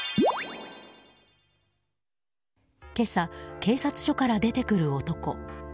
今朝、警察署から出てくる男。